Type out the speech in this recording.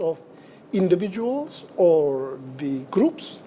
orang atau grup